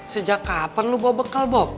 sejak kapan lo bawa bekal bob